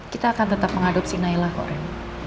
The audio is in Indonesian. kita akan tetap mengadopsi nailah kak rem